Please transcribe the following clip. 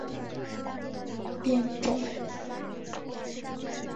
狭叶短毛独活是伞形科独活属短毛牛防风的变种。